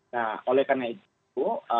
nah oleh karena itu